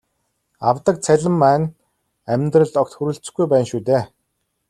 Авдаг цалин маань амьдралд огт хүрэлцэхгүй байна шүү дээ.